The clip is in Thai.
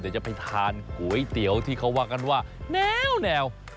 เดี๋ยวจะไปทานก๋วยเตี๋ยวที่เขาว่ากันว่าแนว